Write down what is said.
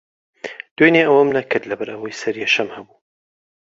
دوێنێ ئەوەم نەکرد، لەبەرەوەی سەرێشەم ھەبوو.